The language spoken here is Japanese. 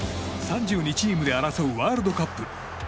３２チームで争うワールドカップ。